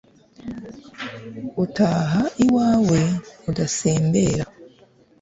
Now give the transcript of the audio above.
utaha iwawe udasembera